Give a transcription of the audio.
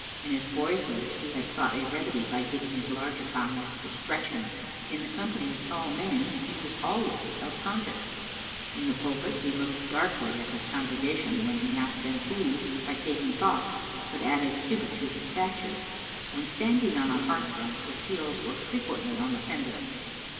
In his boyhood he had sought a remedy by getting his larger comrades to stretch him. In the company of tall men he was always self conscious. In the pulpit he looked darkly at his congregation when he asked them who, by taking thought, could add a cubit to his stature. When standing on a hearthrug his heels were frequently on the fender.